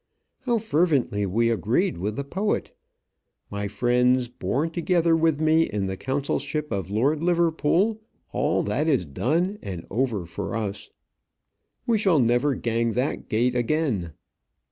How fervently we agreed with the poet! My friends, born together with me in the consulship of Lord Liverpool, all that is done and over for us. We shall never gang that gait' again.